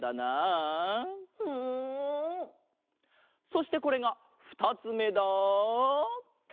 そしてこれが２つめだ！